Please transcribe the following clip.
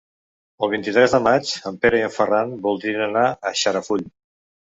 El vint-i-tres de maig en Pere i en Ferran voldrien anar a Xarafull.